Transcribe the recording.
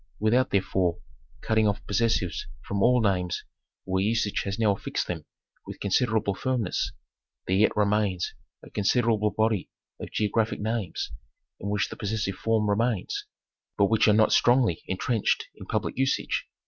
Without, therefore, cutting off posses sives from all names where usage has now fixed them with consid erable firmness, there yet remains a considerable body of geo graphic names in which the possessive form remains, but which are not strongly intrenched in public usage.